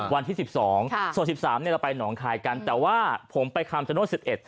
วันที่๑๒โสด๑๓เราไปหนองคายกันแต่ว่าผมไปคามสนุทร๑๑